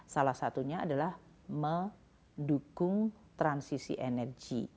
salah satunya adalah mendukung transisi energi